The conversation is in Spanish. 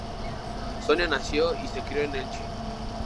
Sonia nació y se crio en Elche.